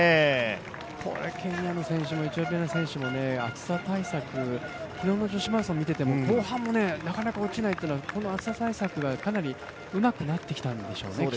ケニアの選手もエチオピアの選手も暑さ対策、昨日の女子を見ていても後半もなかなか落ちないというのは、この暑さ対策がうまくなってきたんでしょうね。